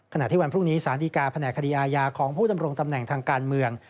ที่วันพรุ่งนี้สารดีกาแผนกคดีอาญาของผู้ดำรงตำแหน่งทางการเมือง